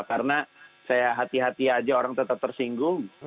karena saya hati hati aja orang tetap tersinggung